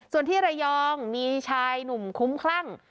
ส่วนที่ระยองมีชายหนุ่มคุ้มคลั่ง